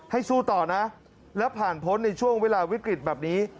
สู้ต่อนะแล้วผ่านพ้นในช่วงเวลาวิกฤตแบบนี้